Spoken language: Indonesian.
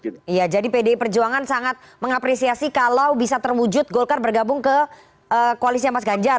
iya jadi pdi perjuangan sangat mengapresiasi kalau bisa terwujud golkar bergabung ke koalisnya mas ganjar